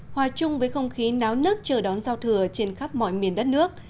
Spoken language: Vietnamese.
hòa chung với không khí náo nức chờ đón giao thừa trên khắp mọi miền đất nước